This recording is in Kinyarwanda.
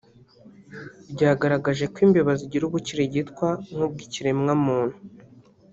ryagaragaje ko imbeba zigira ubukirigitwa nk’ubw’ikiremwamuntu